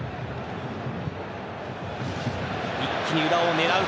一気に裏を狙う。